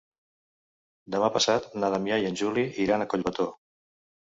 Demà passat na Damià i en Juli iran a Collbató.